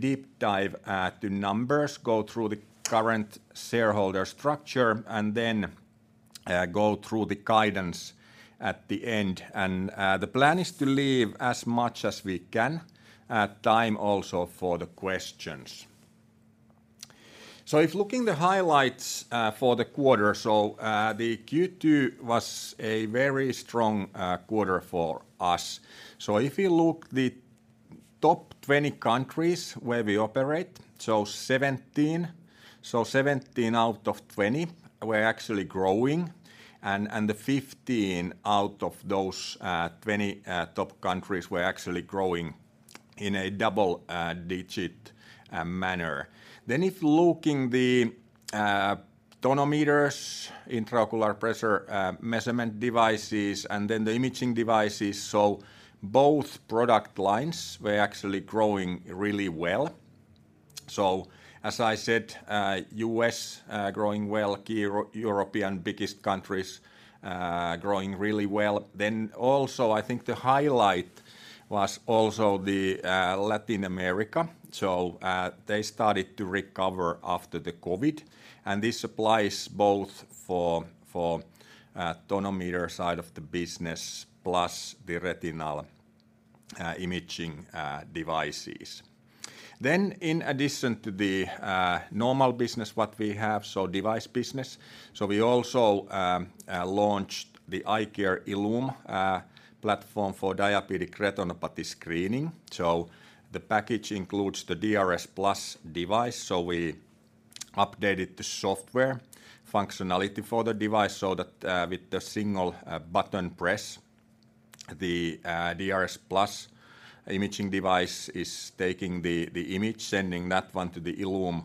A deep dive to numbers, go through the current shareholder structure, and then go through the guidance at the end. The plan is to leave as much time as we can also for the questions. If looking at the highlights for the quarter, the Q2 was a very strong quarter for us. If you look at the top 20 countries where we operate, 17 out of 20 were actually growing and the 15 out of those 20 top countries were actually growing in a double-digit manner. If looking at the tonometers, intraocular pressure measurement devices, and then the imaging devices. Both product lines were actually growing really well. As I said, U.S. growing well, key European biggest countries growing really well. I think the highlight was also the Latin America. They started to recover after the COVID, and this applies both for the tonometer side of the business plus the retinal imaging devices. In addition to the normal business what we have, device business, we also launched the iCare ILLUME platform for diabetic retinopathy screening. The package includes the iCare DRSplus device. We updated the software functionality for the device so that with the single button press, the iCare DRSplus imaging device is taking the image, sending that one to the ILLUME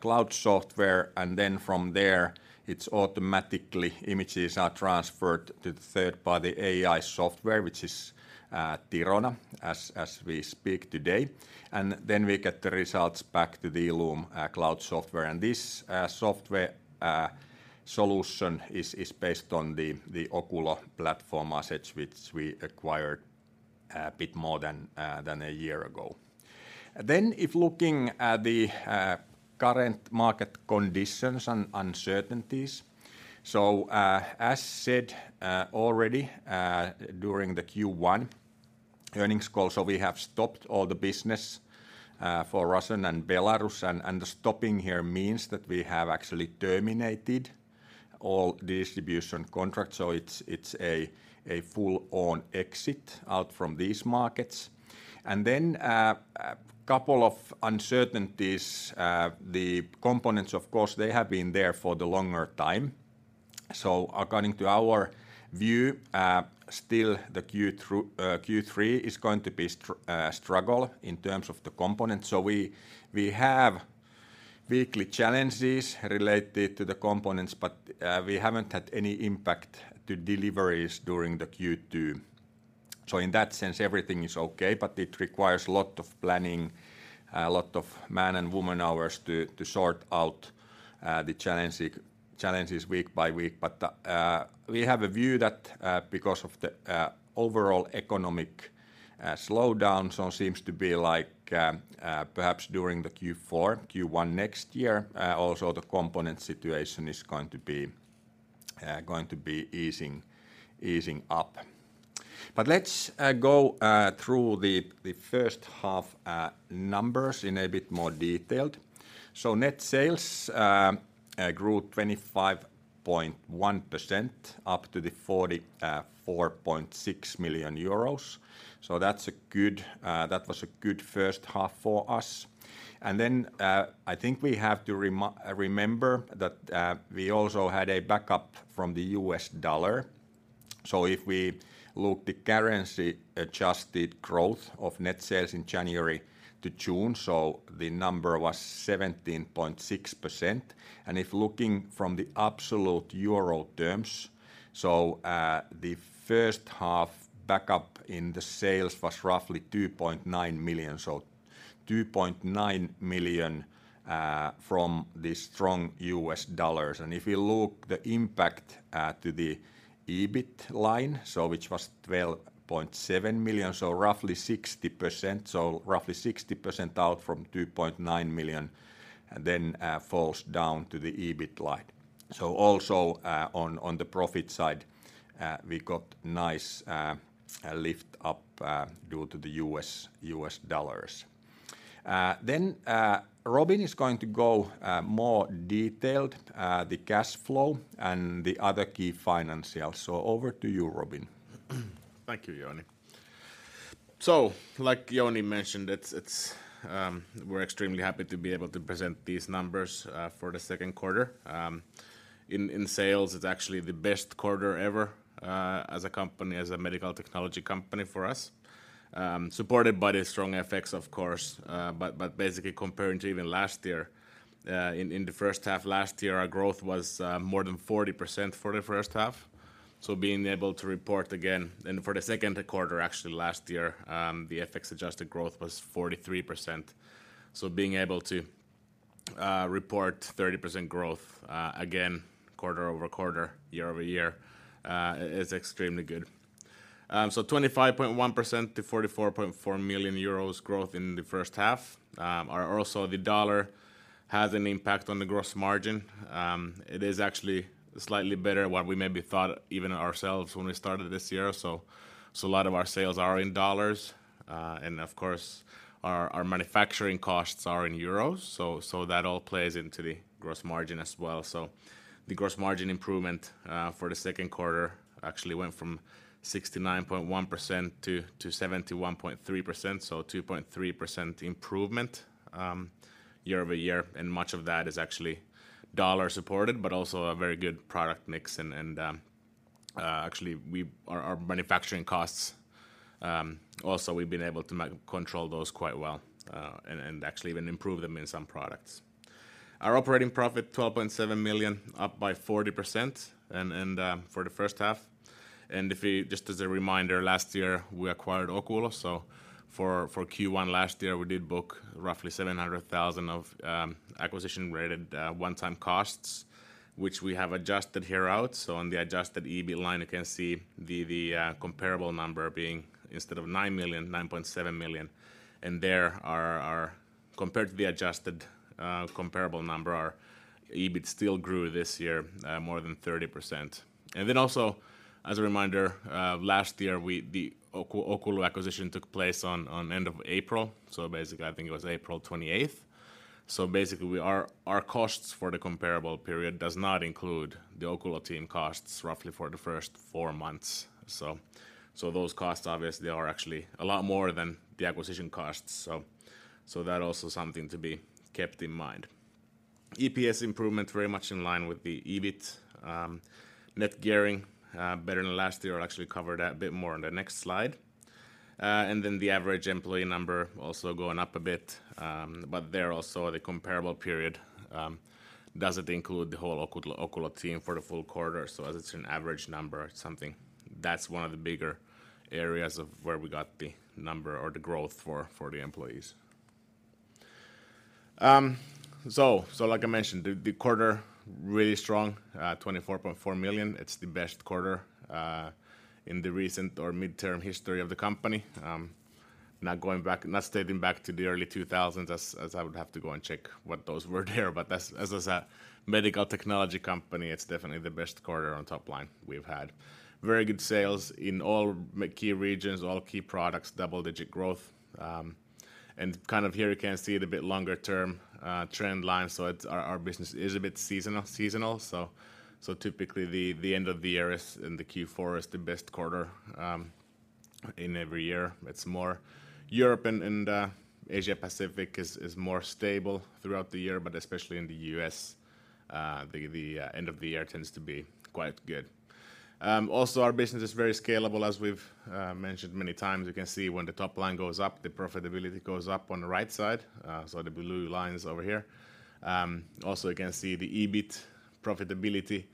cloud software, and then from there, it's automatically images are transferred to the third-party AI software, which is Thirona, as we speak today. We get the results back to the iCare ILLUME cloud software. This software solution is based on the Oculo platform assets which we acquired a bit more than a year ago. If looking at the current market conditions and uncertainties, as said already during the Q1 earnings call, we have stopped all the business for Russia and Belarus, and the stopping here means that we have actually terminated all distribution contracts. It's a full-on exit out from these markets. A couple of uncertainties. The components, of course, they have been there for the longer time. According to our view, still the Q3 is going to be struggle in terms of the components. We have weekly challenges related to the components, but we haven't had any impact to deliveries during the Q2. In that sense, everything is okay, but it requires a lot of planning, a lot of man and woman hours to sort out the challenges week by week. We have a view that because of the overall economic slowdown, it seems to be like perhaps during the Q4, Q1 next year, also the component situation is going to be easing up. Let's go through the first half numbers in a bit more detail. Net sales grew 25.1% up to 44.6 million euros. That was a good first half for us. I think we have to remember that we also had a boost from the U.S. dollar. If we look at the currency adjusted growth of net sales in January to June, the number was 17.6%. If looking from the absolute euro terms, the first half boost in the sales was roughly 2.9 million. 2.9 million from the strong U.S. dollar. If you look at the impact to the EBIT line, which was 12.7 million, roughly 60%. Roughly 60% of 2.9 million then falls down to the EBIT line. Also, on the profit side, we got nice lift up due to the U.S. dollars. Robin is going to go more detailed, the cash flow and the other key financials. Over to you, Robin. Thank you, Jouni. Like Jouni mentioned, we're extremely happy to be able to present these numbers for the second quarter. In sales, it's actually the best quarter ever as a company, as a medical technology company for us, supported by the strong FX, of course. But basically comparing to even last year, in the first half last year, our growth was more than 40% for the first half. Being able to report again. For the second quarter, actually last year, the FX-adjusted growth was 43%. Report 30% growth again quarter-over-quarter year-over-year is extremely good. 25.1% to 44.4 million euros growth in the first half. Also the U.S. dollar has an impact on the gross margin. It is actually slightly better what we maybe thought even ourselves when we started this year. A lot of our sales are in U.S. dollars, and of course, our manufacturing costs are in euros, so that all plays into the gross margin as well. The gross margin improvement for the second quarter actually went from 69.1% to 71.3%, so 2.3% improvement year-over-year. Much of that is actually U.S. dollar supported, but also a very good product mix. Actually, our manufacturing costs also we've been able to control those quite well, and actually even improve them in some products. Our operating profit, 12.7 million, up by 40% for the first half. Just as a reminder, last year we acquired Oculo. For Q1 last year, we did book roughly 700 thousand of acquisition-related one-time costs, which we have adjusted here out. On the adjusted EBIT line, you can see the comparable number being instead of 9 million, 9.7 million. Compared to the adjusted comparable number, our EBIT still grew this year more than 30%. Also as a reminder, last year the Oculo acquisition took place on end of April. Basically, I think it was April 28th. Basically we are, our costs for the comparable period does not include the Oculo team costs roughly for the first four months. Those costs obviously are actually a lot more than the acquisition costs. That also something to be kept in mind. EPS improvement very much in line with the EBIT. Net gearing better than last year. I'll actually cover that a bit more on the next slide. Then the average employee number also going up a bit, but there also the comparable period doesn't include the whole Oculo team for the full quarter. As it's an average number, something that's one of the bigger areas of where we got the number or the growth for the employees. Like I mentioned, the quarter really strong, 24.4 million. It's the best quarter in the recent or mid-term history of the company. Not going back to the early 2000s as I would have to go and check what those were there. But as a medical technology company, it's definitely the best quarter on top line we've had. Very good sales in all key regions, all key products, double-digit growth. Kind of here you can see the bit longer-term trend line. It's our business is a bit seasonal. Typically the end of the year is, in the Q4 is the best quarter in every year. It's more Europe and Asia Pacific is more stable throughout the year, but especially in the US, the end of the year tends to be quite good. Also our business is very scalable, as we've mentioned many times. You can see when the top line goes up, the profitability goes up on the right side. The blue lines over here. Also you can see the EBIT profitability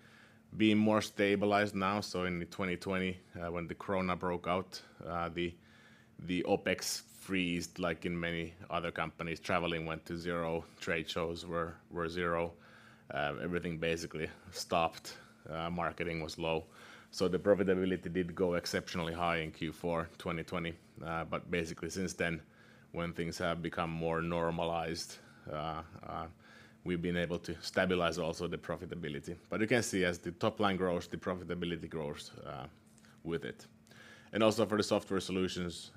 being more stabilized now. In 2020, when the corona broke out, the OpEx froze like in many other companies. Travel went to zero. Trade shows were zero. Everything basically stopped. Marketing was low. The profitability did go exceptionally high in Q4 2020. Basically since then, when things have become more normalized, we've been able to stabilize also the profitability. You can see as the top line grows, the profitability grows with it. Also for the software solutions,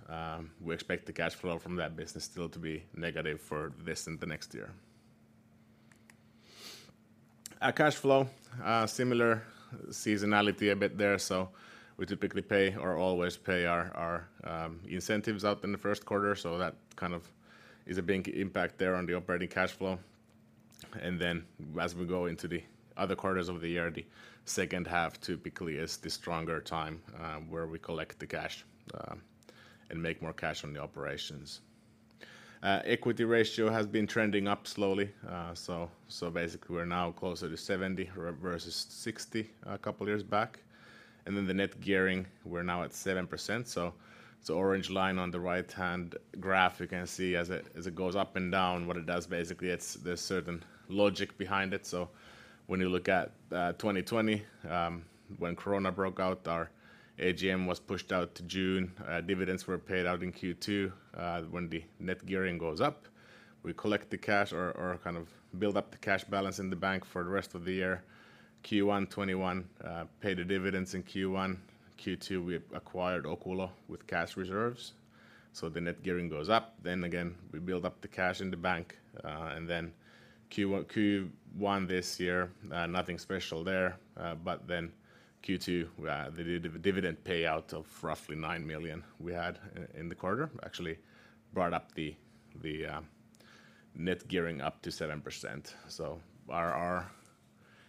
we expect the cash flow from that business still to be negative for this and the next year. Our cash flow, similar seasonality a bit there. We typically pay or always pay our incentives out in the first quarter. That kind of is a big impact there on the operating cash flow. Then as we go into the other quarters of the year, the second half typically is the stronger time, where we collect the cash and make more cash on the operations. Equity ratio has been trending up slowly. Basically we're now closer to 70% versus 60%, a couple years back. The net gearing, we're now at 7%. It's the orange line on the right-hand graph. You can see as it goes up and down, what it does basically, there's certain logic behind it. When you look at 2020, when corona broke out, our AGM was pushed out to June. Dividends were paid out in Q2. When the net gearing goes up, we collect the cash or kind of build up the cash balance in the bank for the rest of the year. Q1 2021, pay the dividends in Q1. Q2, we acquired Oculo with cash reserves. The net gearing goes up. Again, we build up the cash in the bank. Q1 this year, nothing special there. Q2, the dividend payout of roughly 9 million we had in the quarter actually brought up the net gearing up to 7%. Our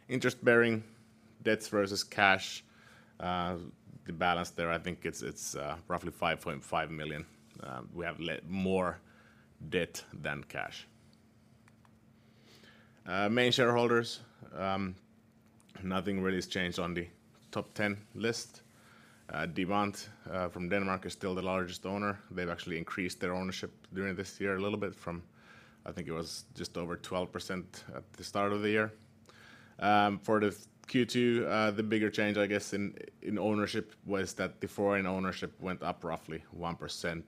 interest-bearing debts versus cash, the balance there, I think it's roughly 5.5 million. We have more debt than cash. Main shareholders. Nothing really has changed on the top ten list. Demant from Denmark is still the largest owner. They've actually increased their ownership during this year a little bit from, I think it was just over 12% at the start of the year. For the Q2, the bigger change, I guess, in ownership was that the foreign ownership went up roughly 1%.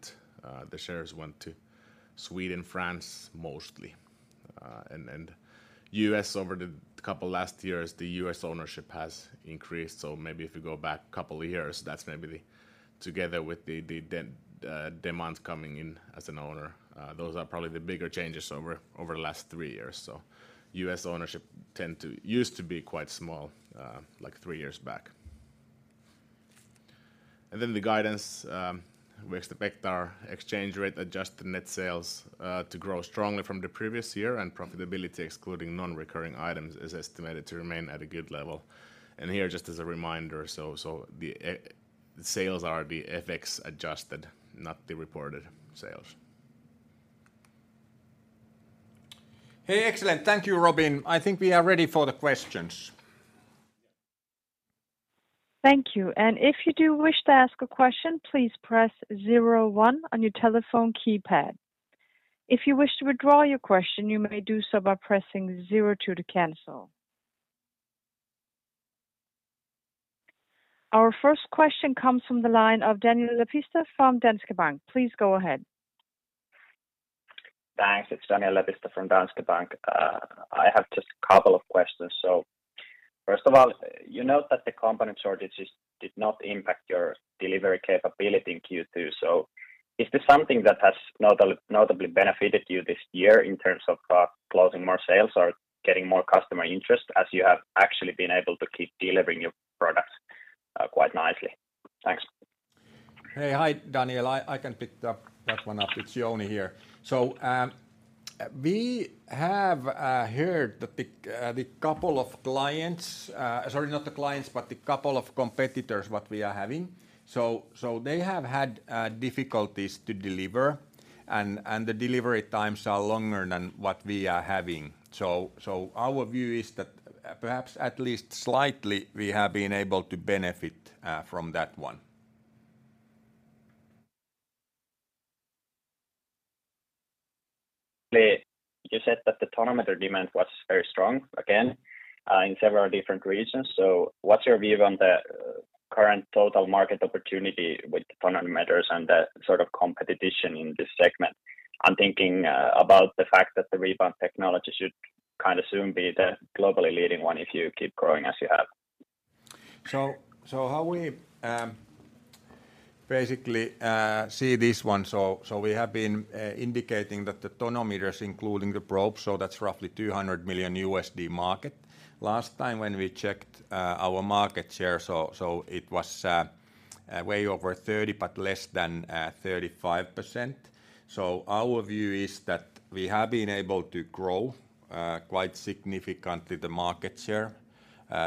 The shares went to Sweden, France mostly. In the U.S. over the last couple of years, the U.S. ownership has increased. Maybe if you go back a couple of years, that's maybe together with the Demant coming in as an owner, those are probably the bigger changes over the last three years. U.S. ownership tends to used to be quite small, like three years back. Then the guidance, we expect our exchange rate adjusted net sales to grow strongly from the previous year, and profitability excluding non-recurring items is estimated to remain at a good level. Here, just as a reminder, the net sales are the FX adjusted, not the reported sales. Hey, excellent. Thank you, Robin. I think we are ready for the questions. Thank you. If you do wish to ask a question, please press zero one on your telephone keypad. If you wish to withdraw your question, you may do so by pressing zero two to cancel. Our first question comes from the line of Daniel Lepistö from Danske Bank. Please go ahead. Thanks. It's Daniel Lepistö from Danske Bank. I have just a couple of questions. First of all, you note that the component shortages did not impact your delivery capability in Q2. Is this something that has notably benefited you this year in terms of closing more sales or getting more customer interest as you have actually been able to keep delivering your products quite nicely? Thanks. Hey. Hi, Daniel. I can pick up that one up. It's Jouni here. We have heard that the couple of clients. Sorry, not the clients, but the couple of competitors what we are having. Our view is that perhaps at least slightly we have been able to benefit from that one. You said that the tonometer demand was very strong again in several different regions. What's your view on the current total market opportunity with tonometers and the sort of competition in this segment? I'm thinking about the fact that the Rebound technology should kind of soon be the globally leading one if you keep growing as you have. How we basically see this one, we have been indicating that the tonometers including the probe, so that's roughly $200 million market. Last time when we checked our market share, it was way over 30%, but less than 35%. Our view is that we have been able to grow quite significantly the market share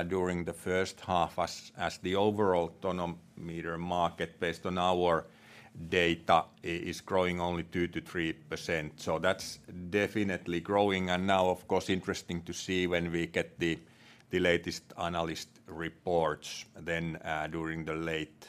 during the first half as the overall tonometer market based on our data is growing only 2%-3%. That's definitely growing. Now, of course, interesting to see when we get the latest analyst reports then during later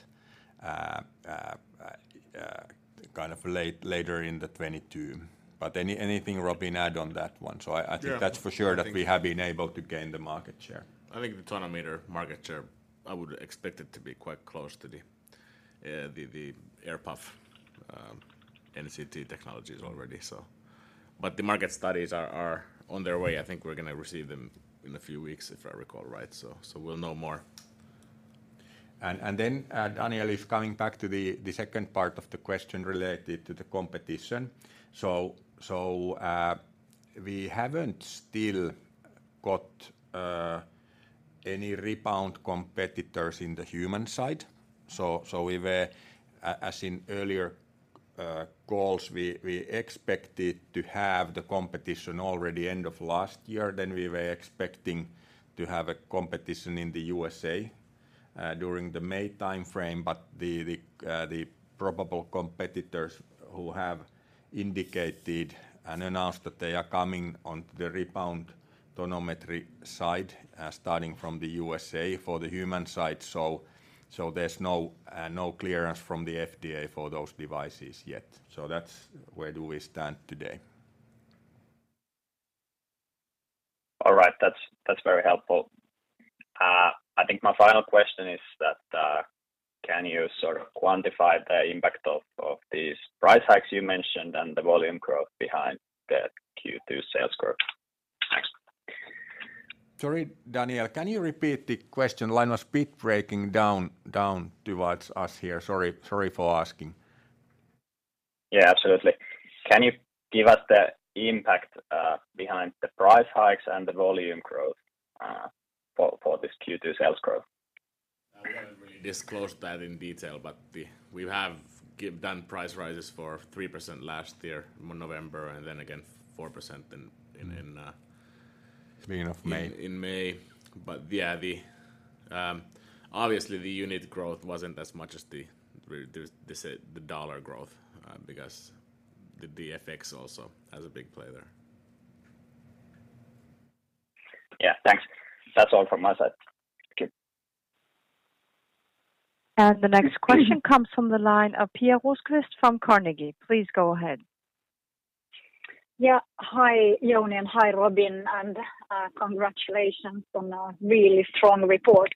in 2022. But anything, Robin, add on that one? I think that's for sure that we have been able to gain the market share. I think the tonometer market share, I would expect it to be quite close to the Air-puff NCT technologies already, so. The market studies are on their way. I think we're gonna receive them in a few weeks, if I recall right. We'll know more. Daniel, if coming back to the second part of the question related to the competition. We haven't still got any Rebound competitors in the human side. We were, as in earlier calls, we expected to have the competition already end of last year, then we were expecting to have a competition in the USA during the May timeframe. The probable competitors who have indicated and announced that they are coming on the Rebound tonometry side, starting from the USA for the human side. There's no clearance from the FDA for those devices yet. That's where we stand today. All right. That's very helpful. I think my final question is that can you sort of quantify the impact of these price hikes you mentioned and the volume growth behind the Q2 sales growth? Thanks. Sorry, Daniel, can you repeat the question? The line was a bit breaking down towards us here. Sorry for asking. Yeah, absolutely. Can you give us the impact behind the price hikes and the volume growth for this Q2 sales growth? We haven't really disclosed that in detail, but we have done price rises for 3% last year in November and then again 4% in- Beginning of May. -in May. Yeah, the—obviously, the unit growth wasn't as much as they say, the dollar growth, because the FX also has a big play there. Yeah, thanks. That's all from my side. Thank you. The next question comes from the line of Pia Rosqvist-Heinsalmi from Carnegie. Please go ahead. Yeah. Hi Jouni, and hi Robin, and congratulations on a really strong report.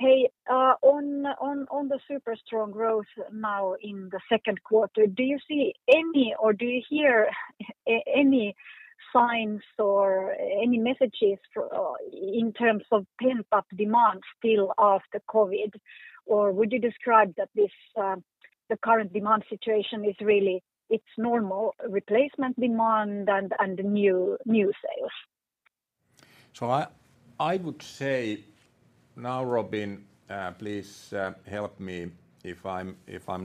Hey, on the super strong growth now in the second quarter, do you see any or do you hear any signs or any messages for in terms of pent-up demand still after COVID? Or would you describe that this, the current demand situation is really, it's normal replacement demand and new sales? I would say, now Robin, please, help me if I'm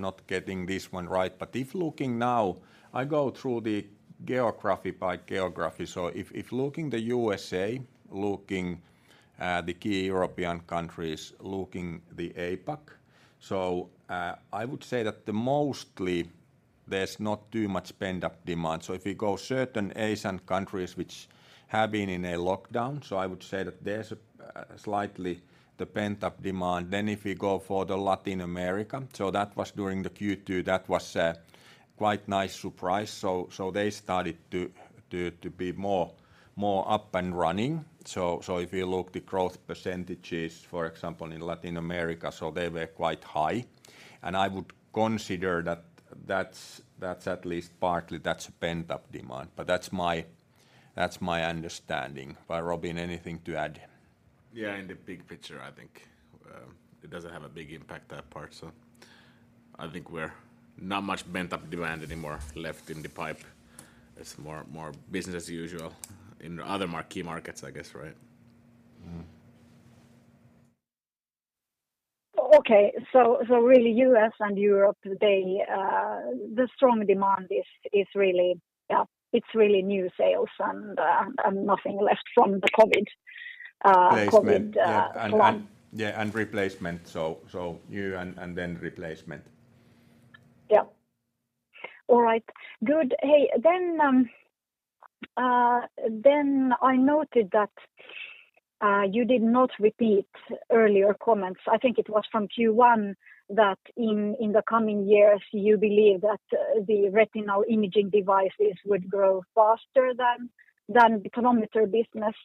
not getting this one right. If looking now, I go through the geography by geography. If looking the USA, looking the key European countries, looking the APAC. I would say that mostly there's not too much pent-up demand. If you go certain Asian countries which have been in a lockdown, I would say that there's a slight pent-up demand. If you go for the Latin America, that was during the Q2, that was a quite nice surprise. They started to be more up and running. If you look the growth percentages, for example, in Latin America, they were quite high. I would consider that that's at least partly pent-up demand. That's my understanding. Robin, anything to add? Yeah, in the big picture, I think, it doesn't have a big impact that part. I think we're not much pent-up demand anymore left in the pipe. It's more business as usual in other key markets, I guess, right? Mm-hmm. Really U.S. and Europe, the strong demand is really, yeah, it's really new sales and nothing left from the COVID. Replacement COVID, collapse. Yeah, replacement. New and then replacement. Yeah. All right. Good. Hey, I noted that you did not repeat earlier comments, I think it was from Q1, that in the coming years you believe that the retinal imaging devices would grow faster than the tonometer business.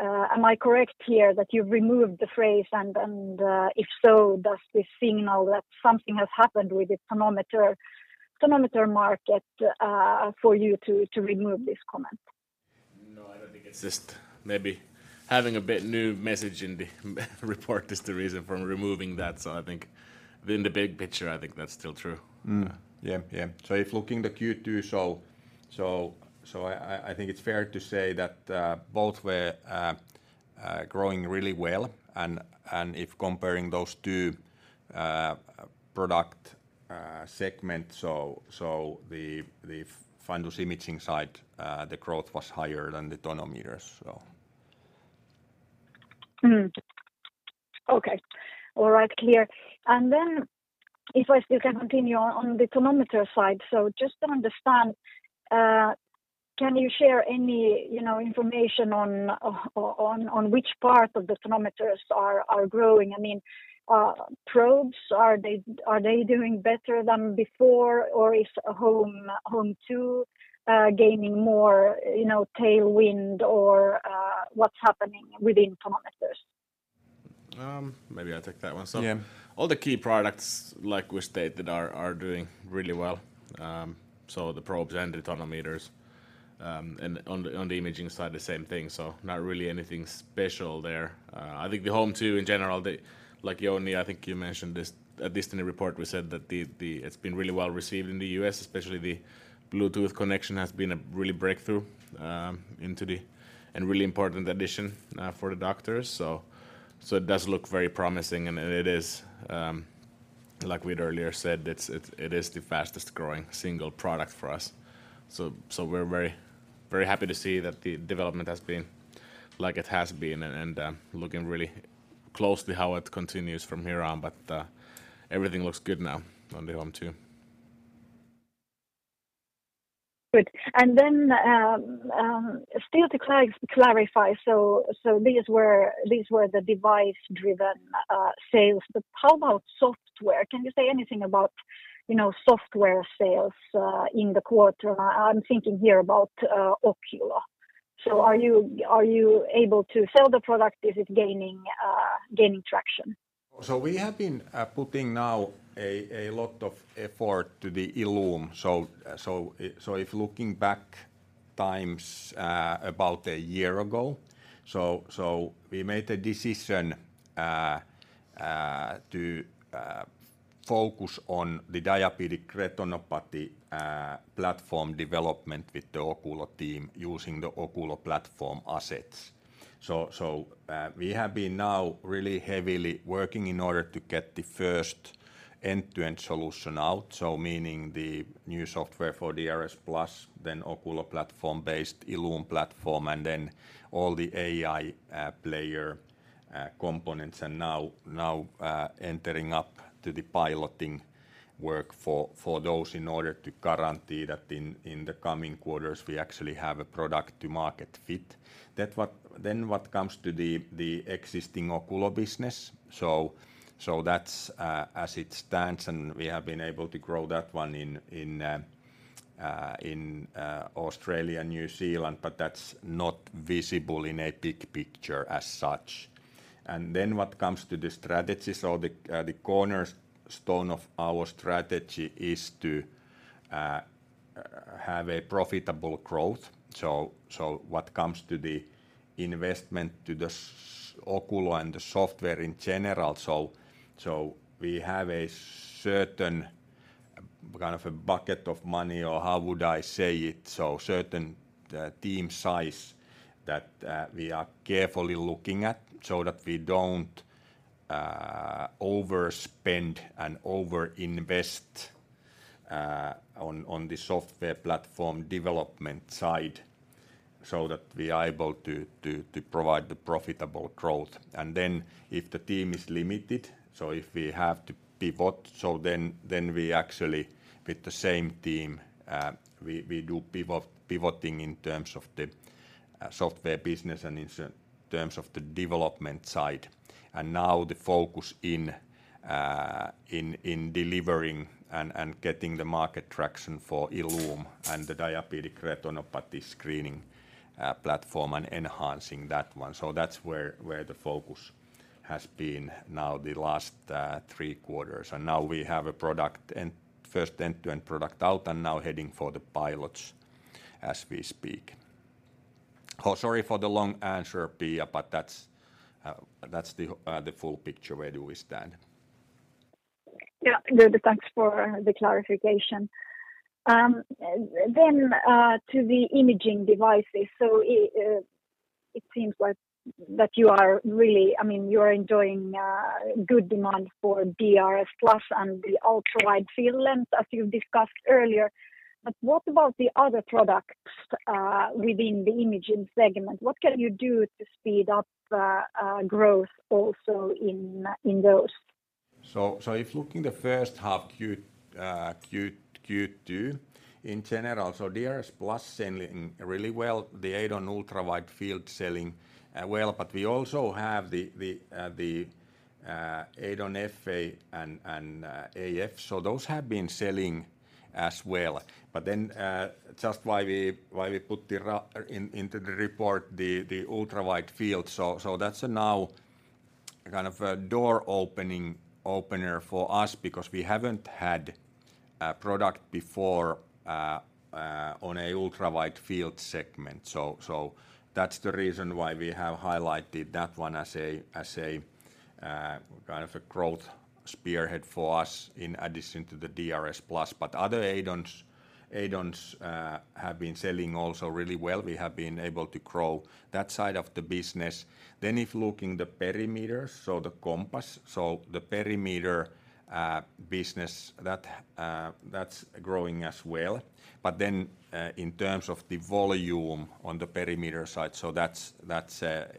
Am I correct here that you've removed the phrase? If so, does this signal that something has happened with the tonometer market for you to remove this comment? No, I don't think it's just maybe having a bit new message in the report is the reason for removing that. I think in the big picture, I think that's still true. If looking at the Q2, I think it's fair to say that both were growing really well and if comparing those two product segments, the fundus imaging side, the growth was higher than the tonometers. Okay. All right. Clear. If I still can continue on the tonometer side. Just to understand, can you share any, you know, information on which part of the tonometers are growing? I mean, probes, are they doing better than before, or is HOME2 gaining more, you know, tailwind or what's happening within tonometers? Maybe I'll take that one. Yeah. All the key products, like we stated, are doing really well. The probes and the tonometers, and on the imaging side the same thing, not really anything special there. I think the iCare HOME2 in general, like Jouni, I think you mentioned this at last year's report, we said that it's been really well received in the U.S., especially the Bluetooth connection has been a real breakthrough and really important addition for the doctors. It does look very promising, and it is, like we'd earlier said, it is the fastest growing single product for us. We're very happy to see that the development has been like it has been and looking really closely how it continues from here on. Everything looks good now on the HOME2. Good. Still to clarify, these were the device-driven sales, but how about software? Can you say anything about, you know, software sales in the quarter? I'm thinking here about Oculo. Are you able to sell the product? Is it gaining traction? We have been putting now a lot of effort to the ILLUME. If looking back in time about a year ago, we made a decision to focus on the diabetic retinopathy platform development with the Oculo team using the Oculo platform assets. We have been now really heavily working in order to get the first end-to-end solution out, meaning the new software for DRSplus, then Oculo platform-based ILLUME platform, and then all the AI components and now entering into the piloting work for those in order to guarantee that in the coming quarters we actually have a product to market fit. That's what. What comes to the existing Oculo business, so that's as it stands, and we have been able to grow that one in Australia and New Zealand, but that's not visible in a big picture as such. What comes to the strategy, so the cornerstone of our strategy is to have a profitable growth. So what comes to the investment to the Oculo and the software in general, so we have a certain kind of a bucket of money, or how would I say it? So certain team size that we are carefully looking at so that we don't overspend and overinvest on the software platform development side so that we are able to provide the profitable growth. Then if the team is limited, so if we have to pivot, so then we actually with the same team, we do pivot, pivoting in terms of the software business and in terms of the development side. Now the focus in delivering and getting the market traction for ILLUME and the diabetic retinopathy screening platform and enhancing that one. That's where the focus has been now the last three quarters. Now we have a first end-to-end product out and now heading for the pilots as we speak. Sorry for the long answer, Pia, but that's the full picture where do we stand. Yeah. No, thanks for the clarification. To the imaging devices. It seems like that you are really I mean, you're enjoying good demand for DRSplus and the ultra-widefield lens as you've discussed earlier. What about the other products within the imaging segment? What can you do to speed up growth also in those? Looking at the first half, Q2 in general, DRSplus selling really well. The EIDON ultra-widefield selling well. We also have the EIDON FA and AF, so those have been selling as well. Then, just why we put into the report the ultra-widefield, so that's now kind of a door opener for us because we haven't had a product before on a ultra-widefield segment. That's the reason why we have highlighted that one as a kind of growth spearhead for us in addition to the DRSplus. Other EIDONs have been selling also really well. We have been able to grow that side of the business. If looking at the perimeters, the COMPASS, the perimeter business that's growing as well. In terms of the volume on the perimeter side, that's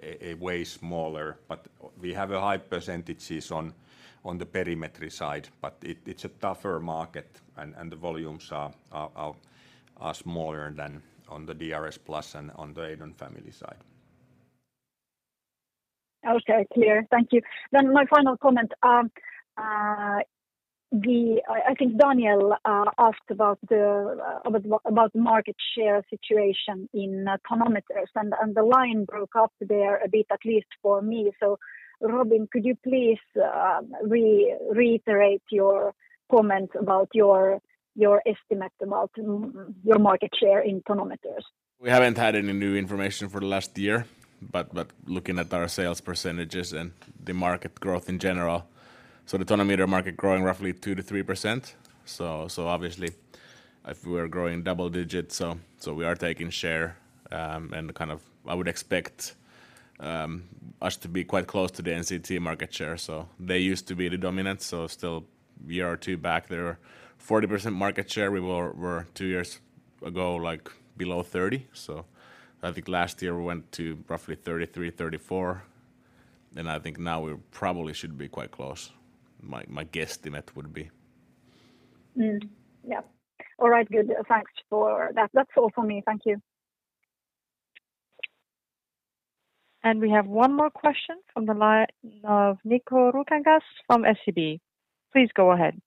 a way smaller. We have a high percentages on the perimetry side, but it's a tougher market, and the volumes are smaller than on the DRSplus and on the EIDON family side. Okay. Clear. Thank you. My final comment, I think Daniel asked about the market share situation in tonometers, and the line broke up there a bit, at least for me. Robin, could you please reiterate your comment about your estimate about your market share in tonometers? We haven't had any new information for the last year, but looking at our sales percentages and the market growth in general, the tonometer market growing roughly 2%-3%. Obviously if we are growing double digits, we are taking share, and kind of I would expect us to be quite close to the NCT market share. They used to be the dominant, still a year or two back, they were 40% market share. We were two years ago, like below 30%. I think last year we went to roughly 33%-34%, and I think now we probably should be quite close, my guesstimate would be. Yeah. All right. Good. Thanks for that. That's all for me. Thank you. We have one more question from the line of Nikko Ruokangas from SEB. Please go ahead.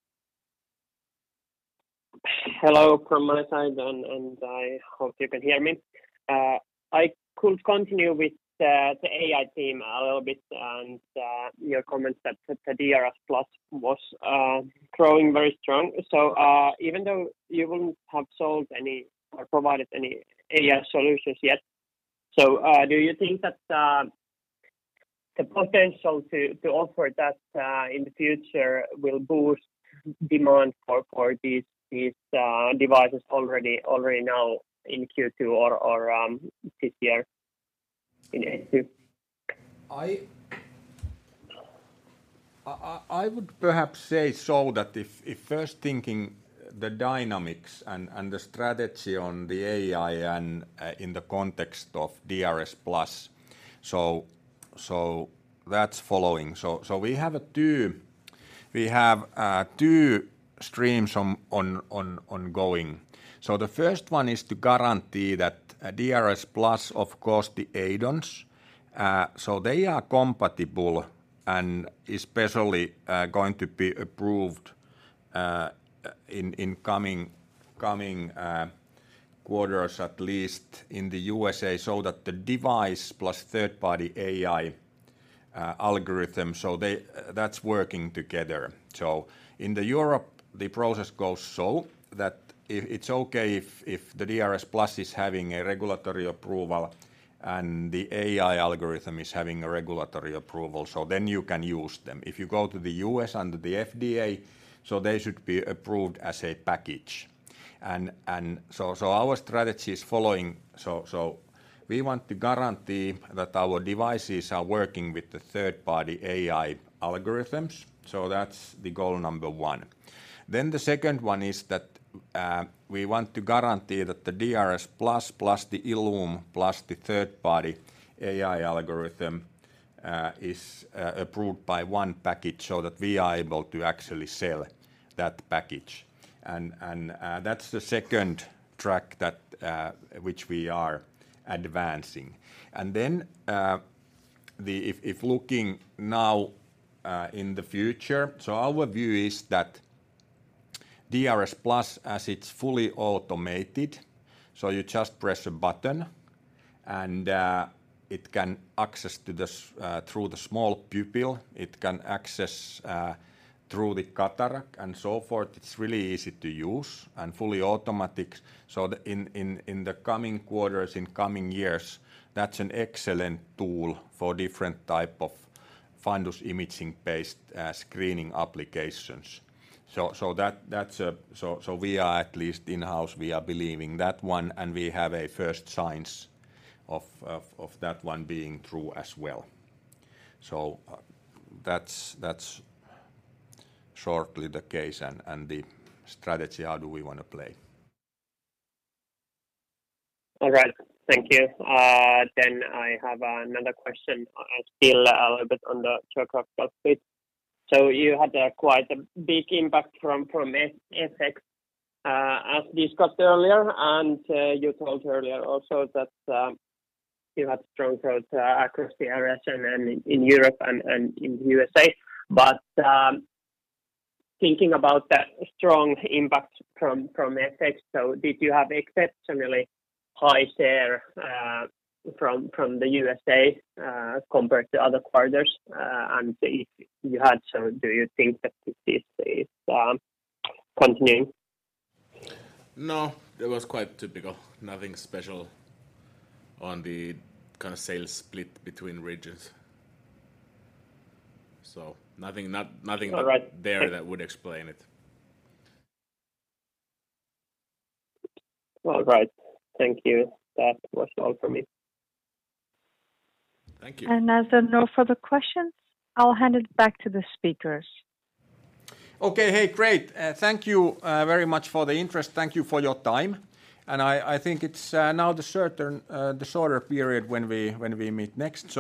Hello from my side. I hope you can hear me. I could continue with the AI team a little bit and your comments that the iCare DRSplus was growing very strong. Even though you wouldn't have sold any or provided any AI solutions yet, do you think that the potential to offer that in the future will boost demand for these devices already now in Q2 or this year in H2? I would perhaps say that if first thinking the dynamics and the strategy on the AI and in the context of DRSplus, that's following. We have two streams ongoing. The first one is to guarantee that DRSplus, of course, the add-ons so they are compatible and especially going to be approved in coming quarters, at least in the USA, so that the device plus third-party AI algorithm, so that's working together. In Europe, the process goes so that it's okay if the DRSplus is having a regulatory approval and the AI algorithm is having a regulatory approval, so then you can use them. If you go to the U.S. under the FDA, they should be approved as a package. Our strategy is following. We want to guarantee that our devices are working with the third-party AI algorithms. That's the goal number one. The second one is that we want to guarantee that the iCare DRSplus plus the iCare ILLUME plus the third-party AI algorithm is approved by one package so that we are able to actually sell that package. That's the second track that which we are advancing. If looking now in the future, our view is that iCare DRSplus as it's fully automated, you just press a button and it can access through the small pupil, it can access through the cataract and so forth. It's really easy to use and fully automatic. In the coming quarters, in coming years, that's an excellent tool for different type of fundus imaging-based screening applications. We are at least in-house, we are believing that one, and we have a first signs of that one being true as well. That's shortly the case and the strategy how do we wanna play. All right. Thank you. I have another question, still a little bit on the cost side. You had quite a big impact from FX effect, as discussed earlier, and you told earlier also that you had strong growth across the rest and then in Europe and in the USA. Thinking about that strong impact from FX, did you have exceptionally high share from the USA compared to other quarters? If you had, do you think that this is continuing? No, it was quite typical. Nothing special on the kind of sales split between regions. All right. Nothing there that would explain it. All right. Thank you. That was all for me. Thank you. As there are no further questions, I'll hand it back to the speakers. Okay. Hey, great. Thank you very much for the interest. Thank you for your time. I think it's now the shorter period when we meet next.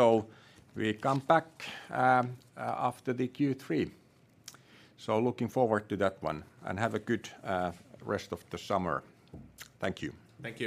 We come back after the Q3. Looking forward to that one, have a good rest of the summer. Thank you. Thank you.